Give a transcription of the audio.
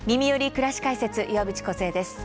くらし解説」岩渕梢です。